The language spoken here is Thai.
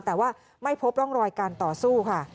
แต่ว่าไม่พบร่องรอยการต่อสู้ค่ะ